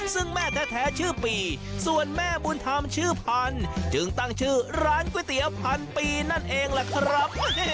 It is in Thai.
ซึ่งแม่แท้ชื่อปีส่วนแม่บุญธรรมชื่อพันธุ์จึงตั้งชื่อร้านก๋วยเตี๋ยวพันปีนั่นเองล่ะครับ